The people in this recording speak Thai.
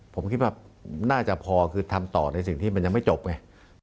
ผมคิดว่าน่าจะพอคือทำต่อในสิ่งที่มันยังไม่จบไง